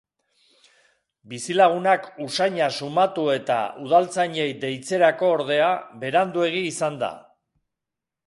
Bizilagunak usaina sumatu eta udaltzainei deitzerako ordea beranduegi izan da.